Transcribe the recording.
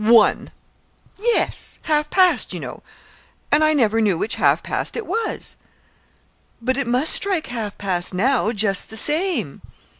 "One!" "Yes half past, you know; and I never knew which half past it was." "But it must strike half past now, just the same!"